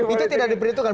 itu tidak diperhitungkan